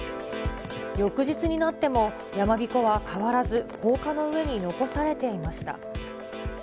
翌日になってもやまびこは変わらず、高架の上に残されていました。